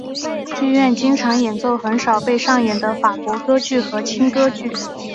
剧院经常演奏很少被上演的法国歌剧和轻歌剧。